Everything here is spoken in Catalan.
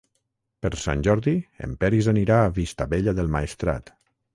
Per Sant Jordi en Peris anirà a Vistabella del Maestrat.